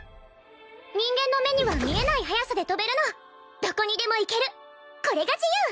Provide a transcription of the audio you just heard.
人間の目には見えない速さで飛べるのどこにでも行けるこれが自由！